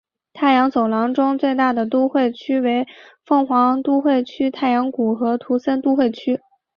太阳走廊中最大的都会区为凤凰城都会区太阳谷和图森都会区。